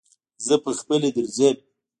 زه پهخپله درځم.